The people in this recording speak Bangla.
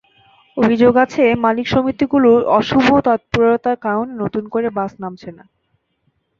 অভিযোগ আছে, মালিক সমিতিগুলোর অশুভ তৎপরতার কারণে নতুন করে বাস নামছে না।